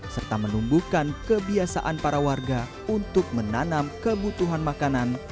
serta menumbuhkan kebiasaan para warga untuk menanam kebutuhan makanan